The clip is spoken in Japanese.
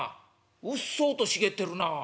うっそうと茂ってるなあ。